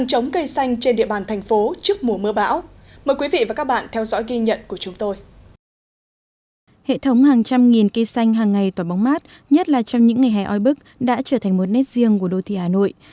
hệ thống hàng trăm nghìn cây xanh hàng ngày toàn bóng mát nhất là trong những ngày hè oi bức đã trở thành một nét riêng của đô thị hà nội